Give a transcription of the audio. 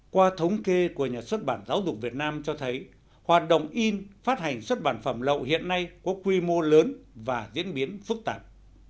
qua thống kê của nhà xuất bản giáo dục việt nam cho thấy hoạt động in phát hành xuất bản phẩm lậu hiện nay có quy mô lớn và diễn biến phức tạp